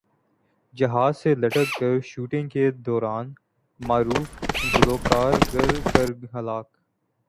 جہاز سے لٹک کر شوٹنگ کے دوران معروف گلوکار گر کر ہلاک